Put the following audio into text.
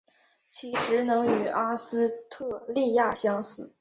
其职能与阿斯特莉亚相似。